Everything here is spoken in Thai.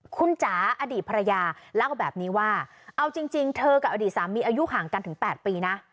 คุณจ๋าอดีตภรรยาเล่าแบบนี้ว่าเอาจริงเธอกับอดีตสามีอายุห่างกันถึง๘ปีนะ